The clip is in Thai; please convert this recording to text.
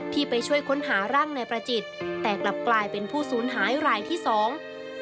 ไปช่วยค้นหาร่างนายประจิตแต่กลับกลายเป็นผู้สูญหายรายที่สอง